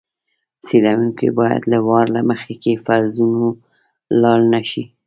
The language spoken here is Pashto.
څېړونکی باید له وار له مخکې فرضونو لاړ نه شي.